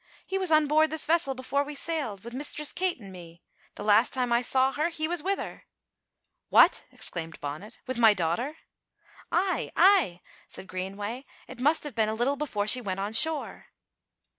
He was on board this vessel before we sailed, wi' Mistress Kate an' me. The last time I saw her he was wi' her." "What!" exclaimed Bonnet, "with my daughter?" "Ay, ay!" said Greenway, "it must have been a little before she went on shore."